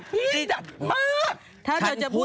พี่ป้ากน่ะตนเลย